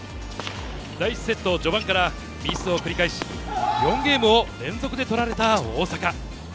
第１セット序盤からミスを繰り返し、４ゲームを連続で取られた大阪。